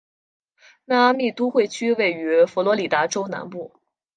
迈阿密都会区位于佛罗里达州南部。